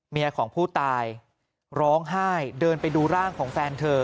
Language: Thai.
ของผู้ตายร้องไห้เดินไปดูร่างของแฟนเธอ